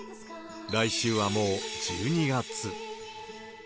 来週はもう１２月。